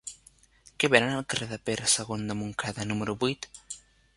Què venen al carrer de Pere II de Montcada número vuit?